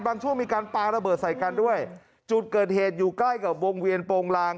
ช่วงมีการปลาระเบิดใส่กันด้วยจุดเกิดเหตุอยู่ใกล้กับวงเวียนโปรงลาง